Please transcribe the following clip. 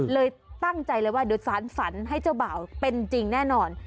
เลยตั้งใจเลยว่าเดี๋ยวสารฝันให้เจ้าบ่าวเป็นจริงแน่นอน